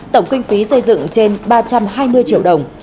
tổng kinh phí xây dựng trên ba trăm hai mươi triệu đồng